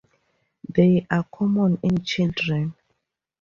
They are common in children.